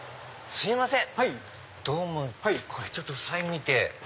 すいません。